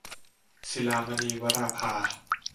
ศิลามณี - วราภา